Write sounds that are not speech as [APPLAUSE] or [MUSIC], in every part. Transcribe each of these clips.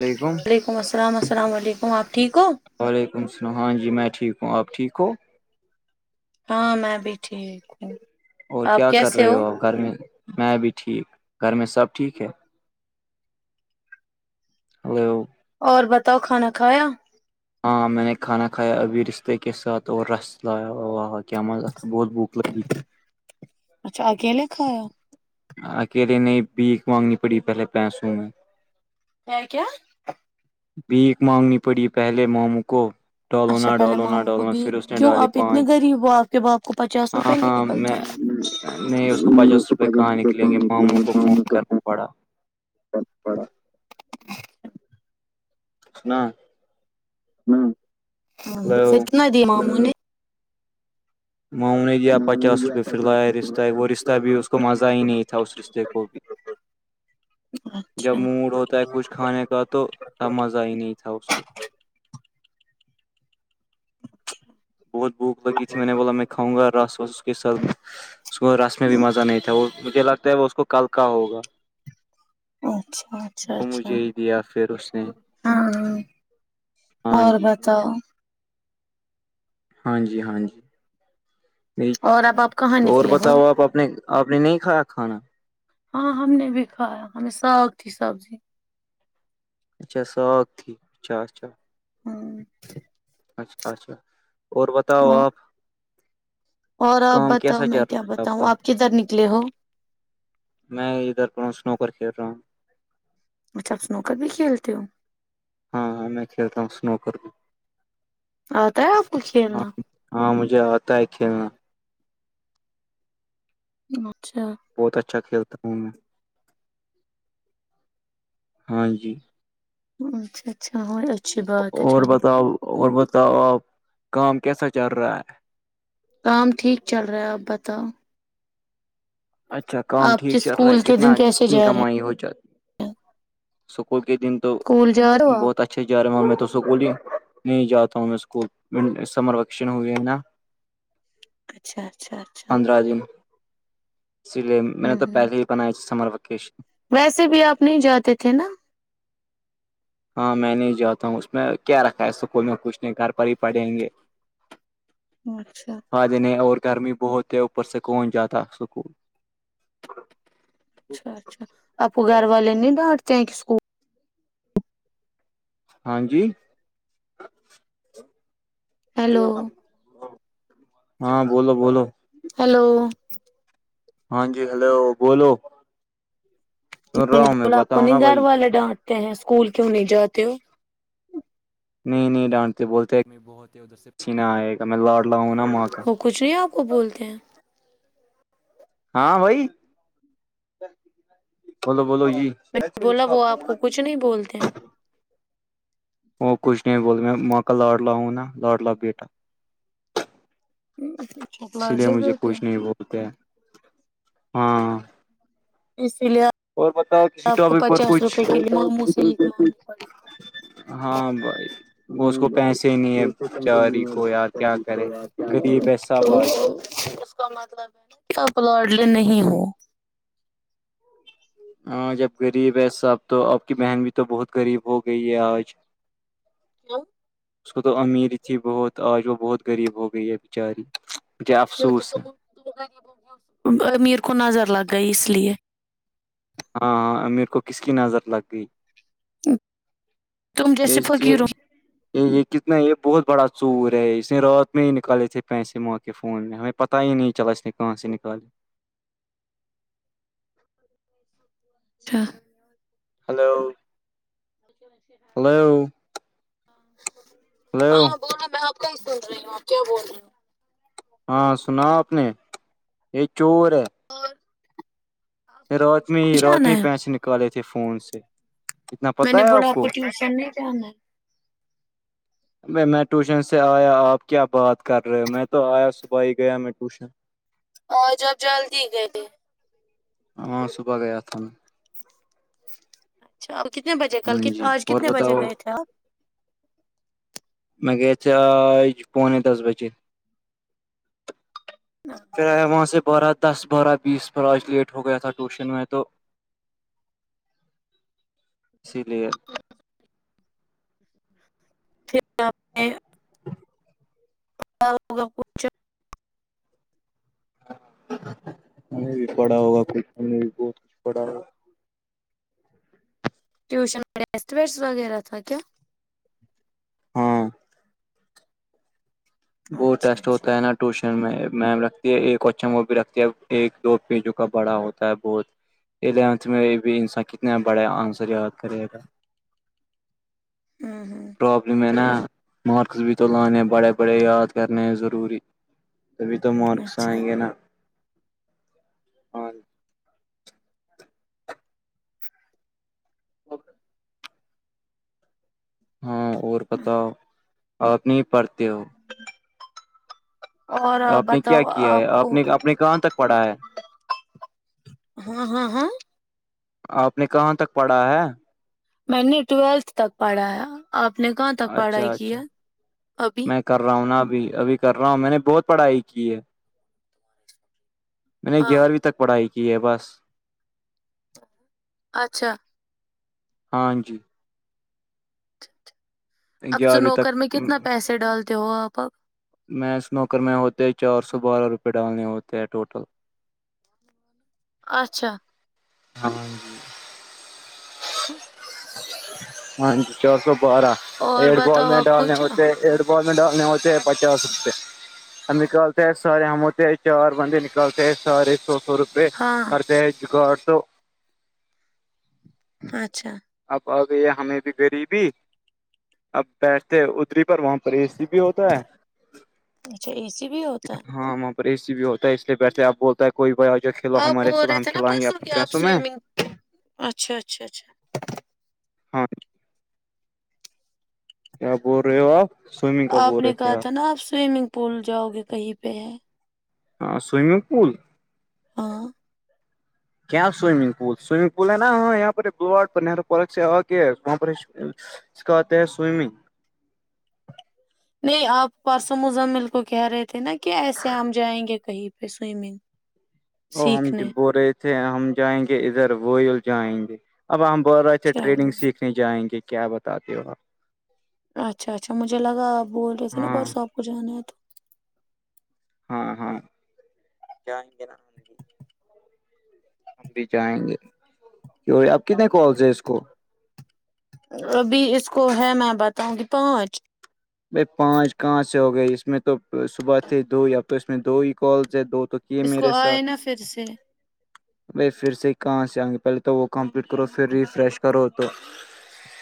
وعلیکم علیکم السلام علیکم اپ ٹھیک ہو وعلیکم السلام جی میں ٹھیک ہوں اپ ٹھیک ہو ہاں میں بھی ٹھیک ہوں اور آپ کیا کر کیسے رہے ہو آپ گھر میں میں بھی ٹھیک گھر میں سب ٹھیک ہے ہ اور بتاؤ کھانا کھایا ہاں میں نے کھانا کھایا ابھی رشتے کے ساتھ اور رس اساں کیا مز تھا بہت بھک لگی تھی اچھا آگے لےکھایا اکیلے نہیں بھیک مانگنی پڑی پہلے پیسوں میں کیا بھیک مانگنی پڑی پہلے ماموں کو ڈالو اچھا نہ پہلے ڈالو نہ ماموں کو ڈالو بھی پھر اس نے کیوں ڈالی آپ اتنے پانچ غریب ہو آپ کے باپ کو پچاسو کہ نہیں ہاں نکلتے میں ہیں نہیں اس کو پچاس س روپئے کہاں پ پ نکلیں کام گے ماموں کو فون س کرنا پڑا پڑا نہ ہ ہاں ہلو فتنا دی مام م نے دیا پچاس روپئے پھرلایا رشت وہ رشتہ بھی اس کو مزہ ہی نہیں تھا اس رشتے کو بھی جب اچھا موڈ ہوتا ہے کچھ کھانے کا تو مزہ ہی نہیں تھا اس کو بہت بھوک لگ تھی میں نے بولا میں کاؤں گ رس وس اس کے ساتھ اس کو رس میں بھی مزہ نہیں تھا وہ مجھے لگتا ہے وہ اس کو کل کا ہوگا اچھا اچھا وہ اچھا مجھے ہی دیا پھر اس نے ہاں ہاں اور جی بتاؤ ہاں جی ہاں جی اور اب آپ کہاں اور نکلے ہو بتاؤ آپ نے آپ نے نہیں کھایا کھانا ہاں ہم نے بھی کھایا ہمیں ساگ تھی سبزی اچھا ساگ تھی اچھا اچھا ہاں اچھ اچھا اور بتاؤ آپ اور آپ کام بتاؤ کیسا چل میں رہا کیا ہے بتاؤں کا آپ کدھر نکلے ہو میں ادھر سنو کر کھیل رہا ہوں اچھا اسنوک بھی کھیلتی ہو ہاںاں میں کھیلتا ہوںنو کر آ تو آپ کو ہاں کھیناا [UNINTELLIGIBLE] ہاں مجھے آتا ہے کھیلنا [UNINTELLIGIBLE] اچھا [UNINTELLIGIBLE] بہت اچھا کھیلتا ہوں [UNINTELLIGIBLE] ہاں جی اچھا اچھا اچھی بات ہے اور چلو بتاؤ اور بتاؤ آپ کام کیسا چل رہا ہے کام ٹھیک چل رہا ہے آپ بتاؤ اچھا کام آپ کے ٹھیک چل رہا ہے اسکول کے کتنا دن کیسے کتنی جا رہے ہیں کمائی ہو جاتی سکول کے دن تو اسکول جا رہے ہو بہت آپ اچھے جا رہا ہوں میں تو سکول ہی نہیں جاتا ہوں میں اس کو سمر ویکیشن ہوئے ہے نا اچھا اچھا اچھا ای میں اسی لیے میں نے ہوں تو ہوں پہلے ہی بنائے تھی سمر ویکیشن ویسے بھی آپ نہیں جاتے تھے نا ہاں میں نہیں جاتا ہوں اس میں کیا رکھا ہے سکئی میں کچھ نہیں گھر پر ہی پڑھیں گے [INAUDIBLE] اچھا پا جنے اور گرمی بہت ہے اوپر سکون جاتدا سکون اچھا اچھا آپو گھر والے نہیں ڈانٹتے ہیں کہ اسکول ہاں جی ہیلو ہاں بولو بولو ہیلو ہاں جی ہلو بولو سن میں رہا نے ہوں بلا آپ کو بتاؤ نا نہیں گھر بھائی والے ڈانٹتے ہیں اسکول کیوں نہیں جاتے ہو نہیں نہیں ڈانٹتے بولتے بہت ہی ادھر سے پچھیناا آئے گا میں لاڑ لا ہوں نا ماں کا وہ کچھ نہیں آپ کو بولتے ہیں ہاں بھائی بولو بولو جی میں بولا وہ آپ کو کچھ نہیں بولتے ہیں وہ کچھ نہیں بول میں ماں کا لاڑ لا ہوں نا لاڑ لا بیٹا اچھا اسی لیے لاڈلی مجھے بیٹی ہو کوچھ نہیں بولتا ہاں اسی لیے اور بتا کہ آپ کو پچاس روپئے کلو ممو سے ہاں بھائی اس کو پیسے نہیں ہے بچاری کو یار کیا کرے پڑے غریب ہے تو سب آج اس کا مطلب ہے نا آپ لوڈلے نہیں ہو ہاں جب غریب ہے سب تو اب کی بہن بھی تو بہت غریب ہو گئی ہے آج کیوں اس کو تو امیر تھی بہت آج وہ بہت غریب ہو گئی ہے بچاری کیونکہ امیر کو نظر لگ گئی اس لیے ہاں ہاں امیر کو کس کی نظر لگ گئی تم یہ جیسے [INAUDIBLE] فقیروں یہ یہ کتنا یہ بہت بڑا چور ہے اس نے رات میں ہی نکالے تھے پیسے موکے فون میں ہمیں پتاہ ہی نہیں چلا اس نے کہاں سے نکالے چا ہلو ہلو ہلو ہاں بولے میں آپ کا ہی سن رہی ہوں آپ کیا بول رہی ہیں ہاں سنا اپنے یہ چور ہے کو رات ٹیوشن میں ہی نہیں رات جانا میں ہی ہے پیسے نکالے تھے فون سے اتنا میں نے پتا ہے بولا آپ کو ٹیوشن نہیں جنا ہے بھائی میں ٹیوشن سے آیا آپ کیا بات کر رہے ہو میں تو آیا صبح ہی گیا میں ٹیوشن اور جب جلدی گ تھ ہاں صبح گیا تھا میں اچھا کتنے بجے کل ک ہاں جی آج اور کتنے بجے بتاؤ گئے تھے آپ میں گیا پانی دس بجے پھر وہاں سے بارہ دس بارہ بیس ب آج لیٹ ہو گیا تھا ٹیوشن میں تو اسی لیے پھر ہاں نے ہوگا پچھا ہمیں بھی پڑا ہوگا کچھ بھی کچھ پڑا ہوگا ٹیوشن ڈسٹ ویٹس وغیرہ تھا کیا ہاں بہت اچھا ٹیسٹ اچھا ہوتا ہے نا ٹیوشن میں میم رکھتی ہے ایک کوچن وہ بھی رکھتی ہے ایک دو پیجوں کا بڑا ہوتا ہے بہت الیونتھ میں بھی انسا کتنا بڑا آنسر یاد کرے گا ہوں ہوں پرابلم ہے نا مارکس بھی تو لانے بڑے بڑے یاد کرنے ضروری تبھی تو مارکس اچھا آئیں گے نا اوک ہاں اور بتاؤ آپ نہیں پڑھتے ہو اور آپ نے کیا بتاؤ کیا ہے آپ کو نے آپ نے کہاں تک پڑھا ہے ؀ہاں ہاں ہاں آپ نے کہاں تک پڑھا ہے میں نے ٹویلتھ تک پڑھایا آپ نے کہاں تک پڑھائی اچھا اچھا کیا ابھی میں کر رہا ہوں نا ابھی ابھی کر رہا ہوں میں نے بہت پڑھائی کی ہے میں نے ہاں گیارہویں تک پڑھائی کی ہے بس اچھا ہاں جی اب چ گیارہویں نوکر تک میں کتنا پیسے ڈالتے ہو آپ اب میں اس نوکر میں ہوتے چار سو بارہ روپئے ڈالنے ہوتے ہیں ٹوٹل اچھا ہاں ا ہاں جی چار سو بارہ اور ایڈ بال بتاؤ میں آپ ڈالنے کچھ ہوتے ایٹ بال میں ڈالنے ہوتے پچاس روپئے ہم نکالتے ہیں سارے ہم ہوتے ہیں چار بندے نکالتے ہیں سارے سو سو روپے ہاں ار تو اچھا اب آ گئی ہمیں بھی غریبی اب بیٹھتے ادری پر وہاں فری بھی ہوتا ہے اچھا اے سی بھی ہوتا ہے ہاں اور ای سی بھی ہوتا ہے اس لیے بیٹھے اب بولتا ہے کوئی ب جو کھلو آپ ہمارے بول رہے ہم تھے نا کھلائیں گے پرسوں اپنے کہ آپ پیسوں میں سوئمنگ اچھا اچھا اچھا ہاں کیا بول رہے ہو آپ سوئمنگ کا آپ بول نے رہے تھے کہا تھا نا آپ سوئمنگ پول جاؤ گے کہیں پہ ہے ہاں سوئمنگ پول ہاں کیا سوئمنگ پول سوئمنگ پول ہے نا ہاں یہاں پر بلاٹرو پارک سے آگ وہاں پر اس کا آتے ہیں سوئمنگ نہیں آپ پرسوں مزمل کو کہہ رہے تھے نا کہ ایسے ہم جائیں گے کہیں پہ سوئمنگ وہ ہم سیکھنے بول رہے تھے ہم جائیں گے ادھر وئل جائیں گے اب ہم بول رہے اے ٹریننگ چلو سیکھنے جائیں گے کیا بتاتے ہو آپ اچھا اچھا مجھے لگا آ بول رہے تھے نا ہاں پرساپ کو جانا ہے تو ہاں ہاں کیا بھی جائیں گے آپ کتنے کالس ہے اس کو ابھی اس کو ہے میں بتاؤں گی پانچ بھائی پانچ کہاں سے ہو گئی اس میں تو صبح تھی دو ہی اب تو اس میں دو ہی کال سےے دو تو یہ اس کو میرے آئے ساتھ نا پھر سے بھائی پھر سے ہی کہاں سے آئیں گے پہلے تو وہ کمپلیٹ کرو پھر ریفریش کرو تو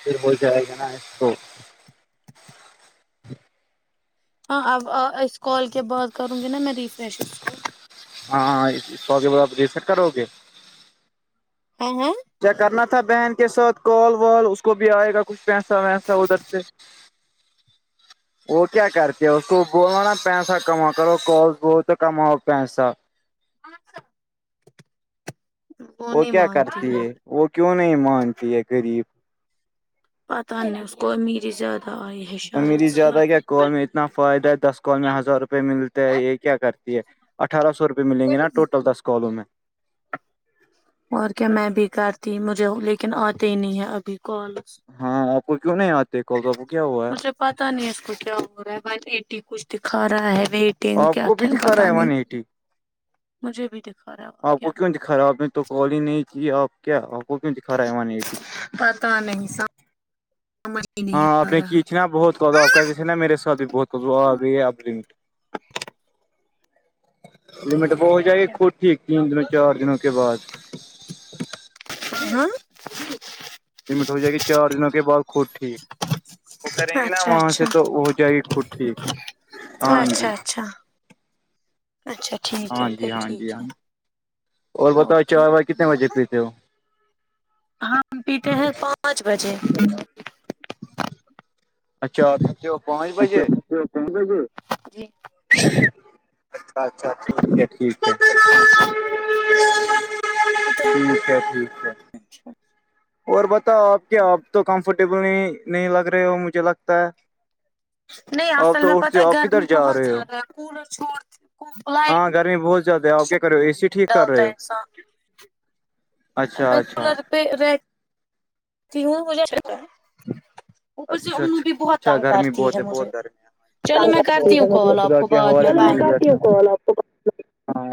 پھر ہو جائے گا نا اس کو ج ہاں اب اسس کال کے بعد کروں گی نا میں ریفریش ہاں سوگ بدی سر کرو گے ہاں ہاں کیا کرنا تھا بہن کے ساتھ کال وال اس کو بھی آئے گا کچھ پیسہ ویسا ادھر سے [INAUDIBLE] وہ کیا کرتے ہے اس کو بولو نا پیسہ کما کرو کس تو کماؤ پیسا وہ کیا کرتی ہے وہ کیوں نہیں مانتی ہے غریب پتاہ نہیں اس کو امیری زیادہ آئی ہے شاید میری سے زیادہ کیا کال میں اتنا فائدہ ہے دس کال میں ہزار روپئے ملتے ہے یہ کیا کرتی ہے اٹھارہ سوپئے میں گے نا ٹول دس کالوں میں اور کیا میں بھی کرتی مجھے لیکن آتے ہی نہیں ہے ابھی کال ہاں آپ کو کیوں نہیں آتے کال تو آپ کو کیا ہوا ہے مجھے پتا نہیں اس کو کیا ہو رہا ہے ب ایٹی کچھ دکھا رہا ہے دین آپ کیا کو بھی تھا دکھا رہا پتا ہے نہیں ون ایٹی مجھے بھی دکھا رہا ہے اور کیا خراب میں تو کال ہی نہیں کیے آپ کیا [INAUDIBLE] پتا نہیں سمجھ ہی ہاں نہیں آپ آ نے رہا کیچھی نا بہت کر آپ کہتے نا میرے ساتھ بہت کر اب لمٹ وہ ہو اور جائے گی کیا خود ٹھیک دنوں چار دنوں کے بعد ہاں لمٹ ہو جائے گی چار دنوں کے بعد خود ٹھیک وہ کریں گے نا اچھا وہاں سے اچھا تو ہو جائے گی خود ٹھیک ہاں جی اچھا اچھا اچھا ٹھیک ہاں ہے جی پھر ہاں جی ٹھیک ہے ہاں اور بتاؤ اوکے چاے کتنے بجے پیتی ہو ہم پیتے ہیں پانچ بجے اچھا ہو پانچ اچھا بجے اچھا پانچ بجے جی اچھا اچھا ٹھیک ہے ٹھیک ہے ٹھیک ہے ٹھیک ہے جی اور بتاؤ آپ کیا اپ تو کمفرٹیبل ہی نہیں لگ رہے ہو مجھے لگتا ہے نہیں آپ اصل میں تو اٹھتے پتاہ ہو ہے آپ گرمی کدھر جا بہت رہے ہو زیادہ ہے کولر چھائٹ ہاں گرمی بہت زیاد ہے اوے کرو اے س ڈالتا ہے انسان اچھا میں اچھا پہ رہتی ہوں مجھےتا ہے اچھا اچھا اچھا گرمی بہت ہے بہت گرمی چلو میں کرتی ہوں ہے کال آپ خدا کو بعد میں بائے کے حاں